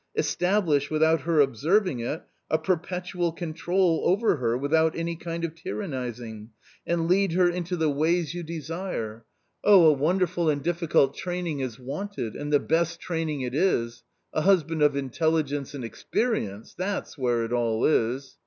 Establish — without her observing it — a perpetual control over her with out any kind of tyrannising, and lead her into the ways you 138 A COMMON STORY desire Oh, a wonderful and difficult training is wanted, and the best training is — a husband of intelligence and experience — that's where it all is